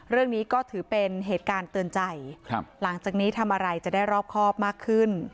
เรื่องนี้ก็ถือเป็นเหตุการณ์เตือนใจหลังจากนี้ทำอะไรจะได้รอบครอบมากขึ้น